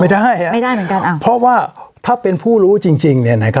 ไม่ได้อ่ะไม่ได้เหมือนกันอ้าวเพราะว่าถ้าเป็นผู้รู้จริงจริงเนี่ยไหนก็